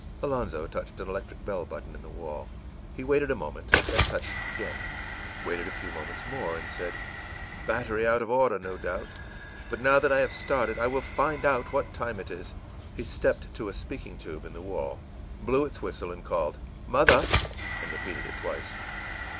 î Alonzo touched an electric bell button in the wall. He waited a moment, then touched it again; waited a few moments more, and said: ìBattery out of order, no doubt. But now that I have started, I will find out what time it is.î He stepped to a speaking tube in the wall, blew its whistle, and called, ìMother!î and repeated it twice.